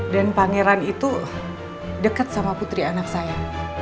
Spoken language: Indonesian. dan pangeran itu dekat dengan putri anak saya